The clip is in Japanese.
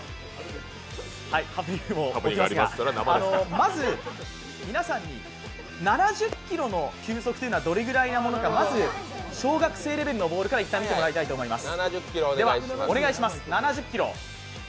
まず、皆さんに７０キロの球速というのがどれぐらいのものかまず、小学生レベルのボールからいったん見てみたいと思います。